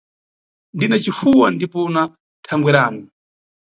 Ndina cifuwa ndipo na thangweranu.